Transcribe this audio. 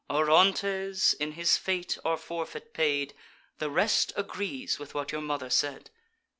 Orontes in his fate our forfeit paid; The rest agrees with what your mother said."